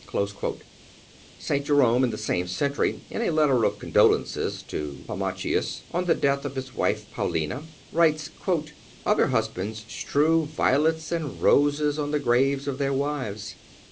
(289) St. Jerome, in the same century, in a letter of condolence to Pammachius, on the death of his wife Paulina, writes: "Other husbands strew violets and roses on the graves of their wives.